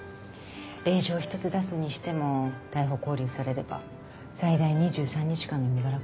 令状一つ出すにしても逮捕勾留されれば最大２３日間の身柄拘束。